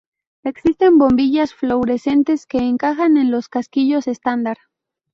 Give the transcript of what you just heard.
Existen bombillas fluorescentes que encajan en los casquillos estándar.